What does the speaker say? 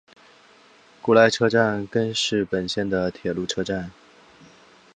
古濑车站根室本线的铁路车站。